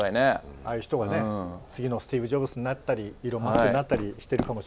ああいう人がね次のスティーブ・ジョブズになったりイーロン・マスクになったりしてるかもしれないですよね。